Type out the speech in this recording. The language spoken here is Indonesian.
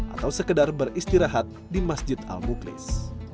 atau sekedar beristirahat di masjid al muklis